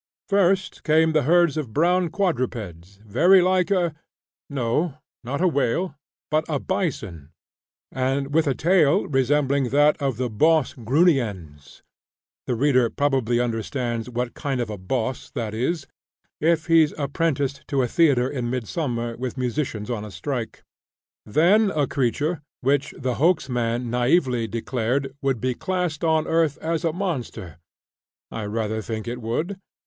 First came the "herds of brown quadrupeds" very like a no! not a whale, but a bison, and "with a tail resembling that of the bos grunniens" the reader probably understands what kind of a "bos" that is, if he's apprenticed to a theatre in midsummer with musicians on a strike; then a creature, which the hoax man naïvely declared "would be classed on earth as a monster" I rather think it would!